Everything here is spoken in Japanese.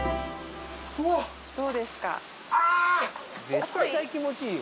絶対気持ちいいよ。